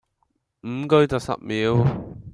五句就十秒